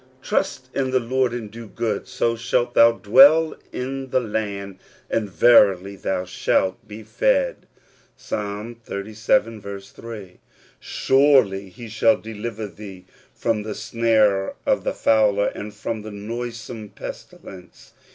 "Trust in the l^oxC^^' and do good ; so shalt thou dwell in the land, an^^ verily thou shalt be fed" (Ps. xxxvii. 3). "Surel)* ^ he shall deliver thee from the snare of the fowler^^ and from the noisome pestilence.